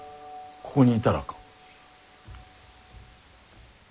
ここにいたらか？